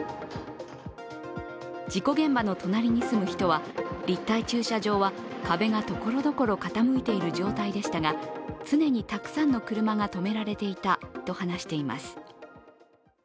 事故現場の隣に住む人は立体駐車場は壁がところどころ傾いている状態でしたが、常にたくさんの車がとめられていたと話しています。